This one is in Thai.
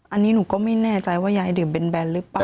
อันนี้หนูก็ไม่แน่ใจว่ายายดื่มแบนหรือเปล่า